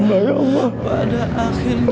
saya telah berdosa ya allah